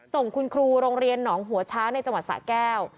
ส่งคุณครูโรงเรียนหนองหัวช้างในจังหวัดสะแก้ว